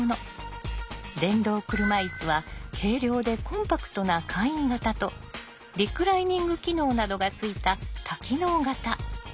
電動車いすは軽量でコンパクトな簡易型とリクライニング機能などがついた多機能型。